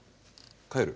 帰る？